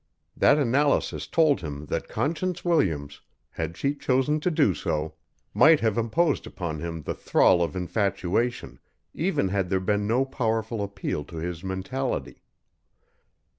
That analysis told him that Conscience Williams, had she chosen to do so, might have imposed upon him the thrall of infatuation, even had there been no powerful appeal to his mentality.